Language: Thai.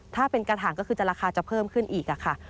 ถ้าเป็นกระถางก็คือจะราคาจะเพิ่มขึ้นอีกค่ะ